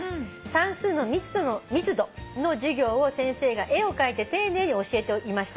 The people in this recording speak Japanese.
「算数の密度の授業を先生が絵を描いて丁寧に教えていました。